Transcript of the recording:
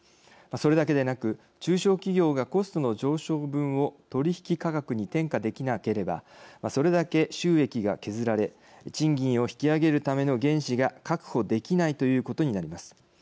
それだけでなく中小企業がコストの上昇分を取引価格に転嫁できなければそれだけ収益が削られ賃金を引き上げるための原資が確保できないということになります。